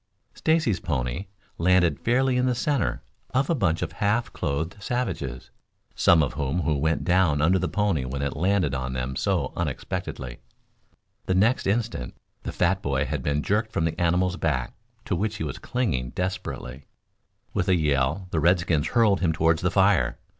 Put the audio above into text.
Stacy's pony landed fairly in the center of a bunch of half clothed savages; some of whom went down under the pony when it landed on them so unexpectedly. The next instant the fat boy had been jerked from the animal's back, to which he was clinging desperately. With a yell the redskins hurled him toward the fire.